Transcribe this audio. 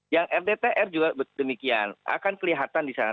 yang rdtr juga demikian akan kelihatan di sana